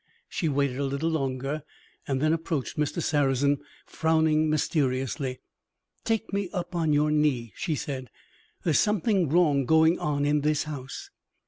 She waited a little longer, and then approached Mr. Sarrazin, frowning mysteriously. "Take me up on your knee," she said. "There's something wrong going on in this house." Mr.